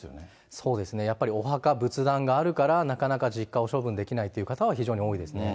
そうですね、やっぱりお墓、仏壇があるから、なかなか実家を処分できないという方は非常に多いですね。